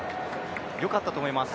よかったと思います。